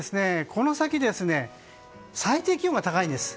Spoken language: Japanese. この先、最低気温が高いんです。